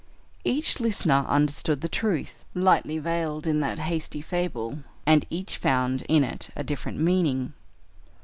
Each listener understood the truth, lightly veiled in that hasty fable, and each found in it a different meaning.